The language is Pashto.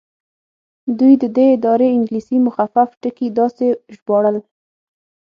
دوی د دې ادارې انګلیسي مخفف ټکي داسې ژباړل.